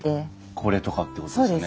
これとかってことですよね。